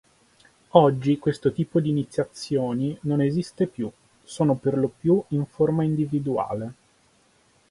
Oggi questo tipo d'iniziazioni non esiste più, sono per lo più in forma individuale.